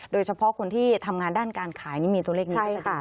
โดยเฉพาะคนที่ทำงานด้านการขายมีตัวเลขนี้ก็จะเป็น